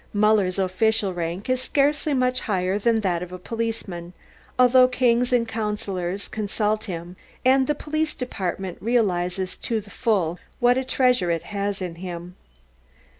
Muller's official rank is scarcely much higher than that of a policeman, although kings and councillors consult him and the Police Department realises to the full what a treasure it has in him.